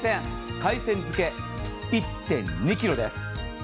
海鮮漬け、１．２ｋｇです。